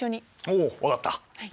おお分かった。